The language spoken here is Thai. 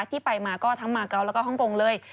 ที่ไปมาก็ทั้งมาเกาะแล้วก็ฮ่องกงเลย